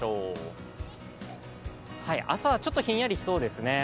朝はちょっとひんやりしそうですね。